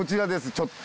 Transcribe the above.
ちょっと。